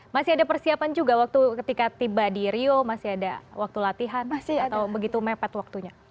masih ada persiapan juga waktu ketika tiba di rio masih ada waktu latihan atau begitu mepet waktunya